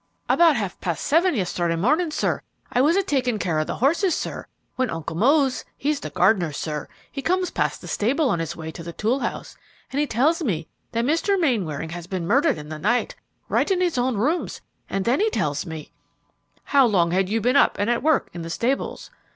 "About half past seven, yesterday morning, sir. I was a taking care of the horses, sir, when Uncle Mose he's the gardener, sir he comes past the stable on his way to the tool house, and he tells me that Mr. Mainwaring had been murdered in the night, right in his own rooms, and then he tells me " "How long had you been up and at work in the stables?"